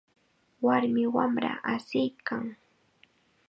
Warmi wamra asiykan.